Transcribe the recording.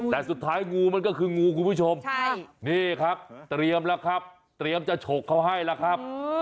แต่สุดท้ายงูมันก็คืองูคุณผู้ชมนี่ครับเตรียมแล้วครับเตรียมจะฉกเขาให้แล้วครับ